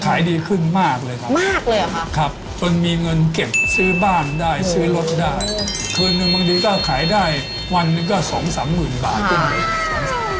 ขายดีขึ้นมากเลยครับมีเงินเก็บซื้อบ้านได้ซื้อรถได้คืนหนึ่งบางทีก็ขายได้วันนึงก็๒๓หมื่นบาท